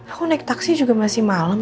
aku naik taksi juga masih malam